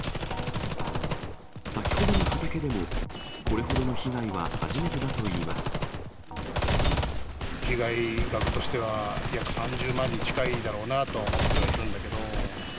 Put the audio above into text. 先ほどの畑でも、これほどの被害被害額としては、約３０万に近いだろうなとは思ってはいるんだけど。